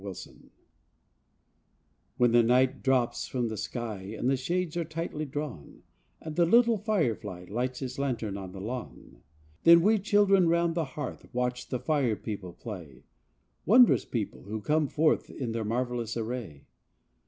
W hen the night drops from the sky And the shades are tightly drawn, And the little fire fly Lights his lantern on the lawn; Then we children round the hearth Watch the fire people play— Wondrous people who come forth In their marvelous array.